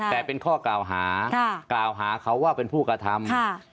แต่เป็นข้อกล่าวหากล่าวหาเขาว่าเป็นผู้กระทำ